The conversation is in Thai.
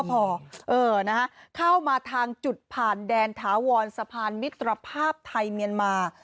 เข้ามาทางจุดผ่านแดนถาวรสะพานมิตรภาพไทยเมียนมา